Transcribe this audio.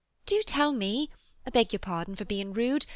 "Do tell me! I beg your pardon for bein' rude.